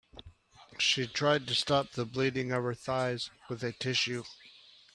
She tried to stop the bleeding of her thighs with a tissue.